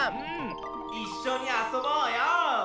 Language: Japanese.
いっしょにあそぼうよ！